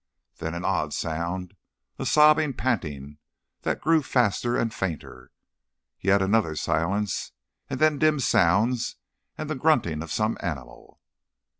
Then an odd sound, a sobbing panting, that grew faster and fainter. Yet another silence, and then dim sounds and the grunting of some animal.